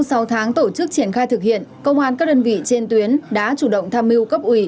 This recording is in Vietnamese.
sau tháng tổ chức triển khai thực hiện công an các đơn vị trên tuyến đã chủ động tham mưu cấp ủy